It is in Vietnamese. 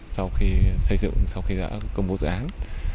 sau khi xây dựng sau khi đã công bố dự án